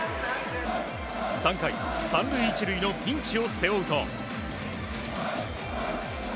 ３回、３塁１塁のピンチを背負うと。